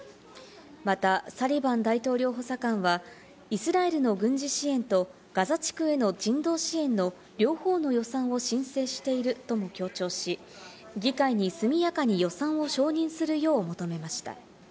またサリバン大統領補佐官はイスラエルの軍事支援とガザ地区への人道支援の両方の予算を申請しているとも強調し、議会に速やかに予算を承認するよう求めました。